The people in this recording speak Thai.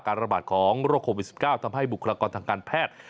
ระบาดของโรคโควิด๑๙ทำให้บุคลากรทางการแพทย์